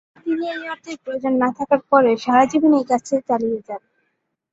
তিনি এই অর্থের প্রয়োজন না থাকার পরেও সারা জীবন এই কাজটি চালিয়ে যান।